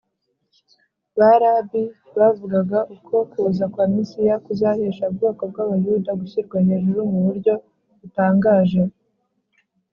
. Ba Rabbi bavugaga uko kuza kwa Mesiya kuzahesha ubwoko bw’Abayuda gushyirwa hejuru mu buryo butangaje